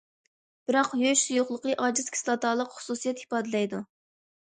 بىراق يۇيۇش سۇيۇقلۇقى ئاجىز كىسلاتالىق خۇسۇسىيەت ئىپادىلەيدۇ.